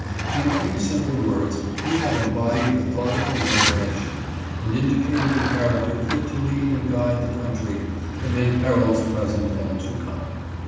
In a few simple words he had embodied the thought of the loyal nation, and indicated the character fit to lead and guide the country amid perils present and to come.